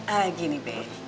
ah gini b